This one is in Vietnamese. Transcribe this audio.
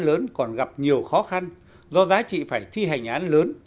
lớn còn gặp nhiều khó khăn do giá trị phải thi hành án lớn